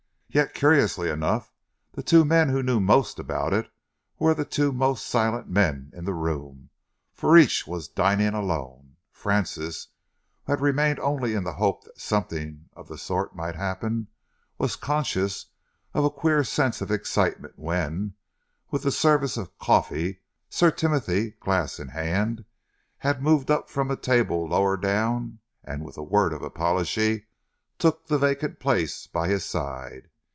Yet, curiously enough, the two men who knew most about it were the two most silent men in the room, for each was dining alone. Francis, who had remained only in the hope that something of the sort might happen, was conscious of a queer sense of excitement when, with the service of coffee, Sir Timothy, glass in hand, moved up from a table lower down and with a word of apology took the vacant place by his side.